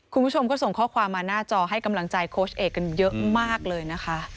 คุณผู้ชมก็ส่งข้อความมาหน้าจอให้กำลังใจโค้ชเอกกันเยอะมากเลยนะคะ